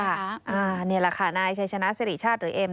นี่แหละค่ะนายชัยชนะสิริชาติหรือเอ็ม